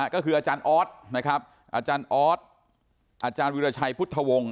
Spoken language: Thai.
ก็คืออาจารย์ออทอาจารย์วิวชัยพุทธวงค์